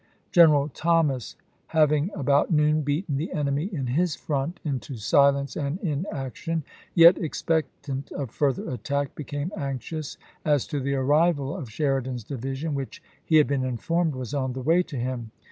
General Thomas having about noon beaten the enemy in his front into silence and inaction, yet expectant of further attack, became anxious as to the arrival of Sheridan's division which, he had been informed, was on the way to him.